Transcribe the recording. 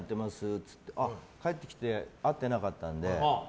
って言って帰ってきて、会ってなかったんで。